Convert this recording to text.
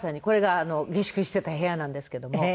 これが下宿してた部屋なんですけども。